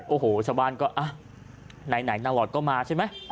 โอ้โหชาวบ้านก็ไหนนางหลอดก็มาใช่ไหม